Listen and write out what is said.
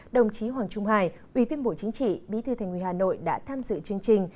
đồng chí hoàng trung hải ủy viên bộ chính trị bí thư thành ủy hà nội đã tham dự chương trình